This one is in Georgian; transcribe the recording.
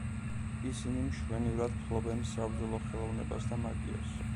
ისინი მშვენივრად ფლობდნენ საბრძოლო ხელოვნებას და მაგიას.